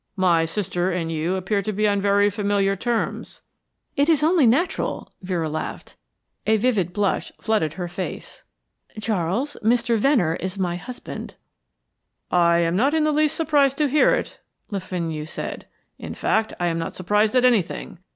"My sister and you appear to be on very familiar terms " "It is only natural," Vera laughed. A vivid blush flooded her face. "Charles, Mr. Venner is my husband." "I am not in the least surprised to hear it," Le Fenu said. "In fact, I am not surprised at anything.